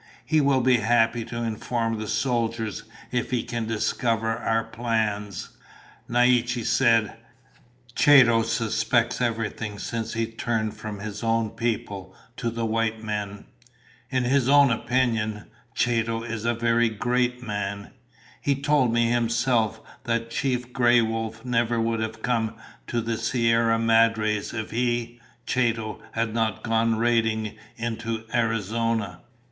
He will be happy to inform the soldiers if he can discover our plans." Naiche said, "Chato suspects everything since he turned from his own people to the white men. In his own opinion, Chato is a very great man. He told me himself that Chief Gray Wolf never would have come to the Sierra Madres if he, Chato, had not gone raiding into Arizona.